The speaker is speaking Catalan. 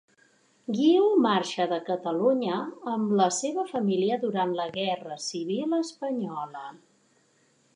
Guiu marxa de Catalunya amb la seva família durant la Guerra Civil Espanyola.